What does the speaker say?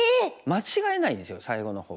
間違えないんですよ最後のほう。